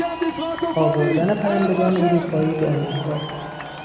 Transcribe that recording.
آوردن پرندگان اروپایی به امریکا